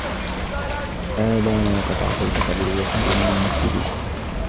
آلآن وقد عصيت قبل وكنت من المفسدين